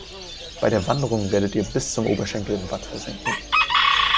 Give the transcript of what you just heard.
Bei der Wanderung werdet ihr bis zum Oberschenkel im Watt versinken.